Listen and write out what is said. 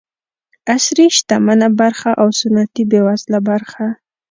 عصري شتمنه برخه او سنتي بېوزله برخه.